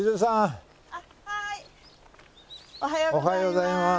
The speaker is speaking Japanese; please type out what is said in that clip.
おはようございます。